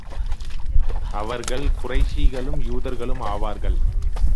அவர்கள் குறைஷிகளும், யூதர்களும் ஆவார்கள்.